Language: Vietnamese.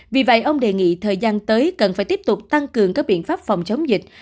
vì vậy ông đề nghị thời gian tới cần phải tiếp tục tăng cường các biện pháp phòng chống dịch